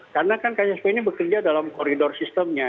karena kan ksp ini bekerja dalam koridor sistemnya